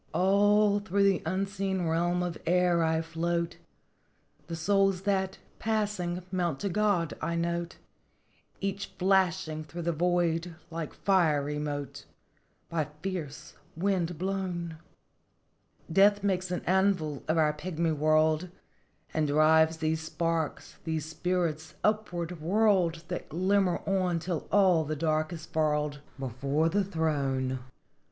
" All through the unseen realm of air I float; The souls that, passing, mount to God, I note ; Each flashing through the void like fiery mote By fierce wind blown. " Death makes an anvil of our pigmy world, And drives these sparks these spirits upward whirled That glimmer on till all the dark is furled, Before the throne !